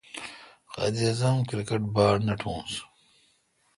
قائد اعظم کرکٹ باڑ نکوس۔